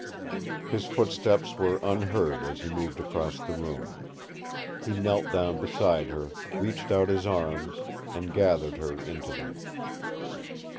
His footsteps were unheard as he moved across the room. He knelt down beside her, reached out his arms, and gathered her into them.